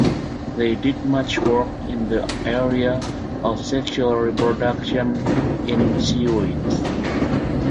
They did much work in the area of sexual reproduction in seaweeds.